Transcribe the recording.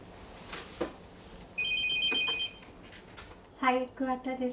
☎はい桑田です。